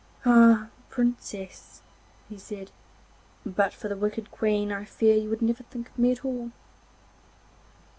'Ah, Princess!' he said, 'but for the wicked Queen I fear you would never think of me at all.